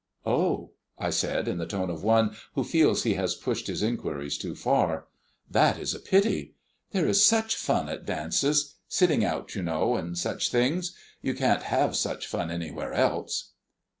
"Oh!" I said, in the tone of one who feels he has pushed his inquiries too far. "That is a pity. There is such fun at dances sitting out, you know, and such things. You can't have such fun anywhere else."